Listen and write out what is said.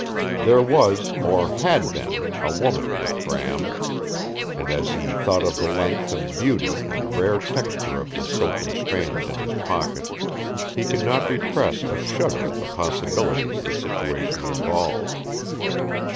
There was, or HAD been, a woman with Bram and as he thought of the length and beauty and rare texture of the silken strand in his pocket he could not repress a shudder at the possibilities the situation involved.